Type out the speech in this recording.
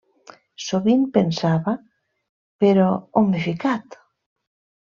Sovint pensava 'però on m'he ficat?'.